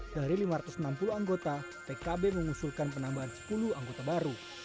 dari lima ratus enam puluh anggota pkb mengusulkan penambahan sepuluh anggota baru